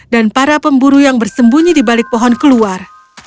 dan para pemburu yang bersembunyi di balik pohon keluar